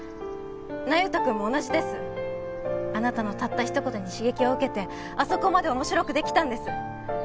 那由他君も同じですあなたのたった一言に刺激を受けてあそこまで面白くできたんです